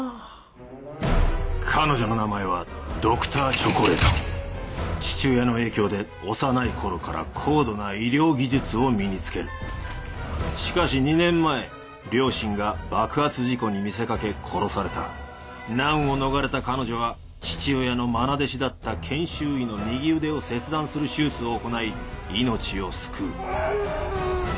彼女の名前はＤｒ．チョコレート父親の影響で幼い頃から高度な医療技術を身に付けるしかし２年前両親が爆発事故に見せかけ殺された難を逃れた彼女は父親のまな弟子だった研修医の右腕を切断する手術を行い命を救ううぅ！